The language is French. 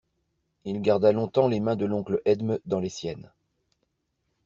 Il garda longtemps les mains de l'oncle Edme dans les siennes.